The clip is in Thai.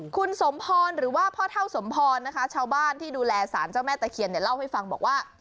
คุณสมพรหรือว่าพ่อเท่าสมพรนะคะชาวบ้านที่ดูแลสารเจ้าแม่ตะเคียนเนี่ยเล่าให้ฟังบอกว่า